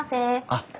あっ。